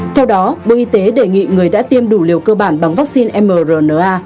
theo đó bộ y tế đề nghị người đã tiêm đủ liều cơ bản bằng vaccine mrna